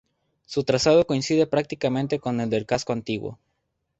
Su trazado coincide prácticamente con el del casco antiguo.